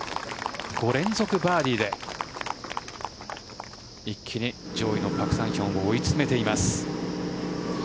５連続バーディーで一気に上位のパク・サンヒョンを追い詰めています。